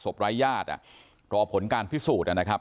ไร้ญาติรอผลการพิสูจน์นะครับ